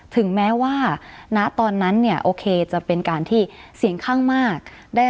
ถึงแม้ว่าณตอนนั้นเนี่ยโอเคจะเป็นการที่เสียงข้างมาก